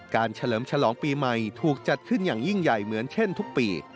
เฉลิมฉลองปีใหม่ถูกจัดขึ้นอย่างยิ่งใหญ่เหมือนเช่นทุกปี